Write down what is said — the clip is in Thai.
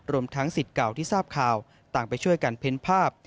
ทั้งสิทธิ์เก่าที่ทราบข่าวต่างไปช่วยกันเพ้นภาพ